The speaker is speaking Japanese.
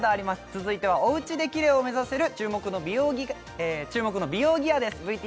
続いてはおうちでキレイを目指せる注目の美容ギアです